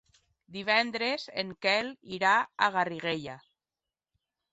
Divendres en Quel irà a Garriguella.